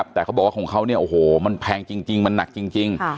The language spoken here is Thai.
แต่เขาบอกว่าของเขาเนี่ยโอ้โหมันแพงจริงมันหนักจริง